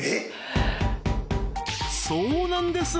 そうなんです